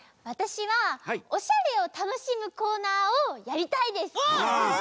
わたしはおしゃれをたのしむコーナーをやりたいです！